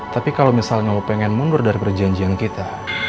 tapi kalo misalnya lo pengen mundur dari perjanjian kita